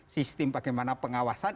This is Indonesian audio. sistem bagaimana pengawasan